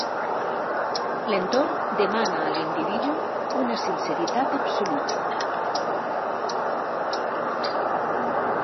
L’entorn demana a l’individu una sinceritat absoluta.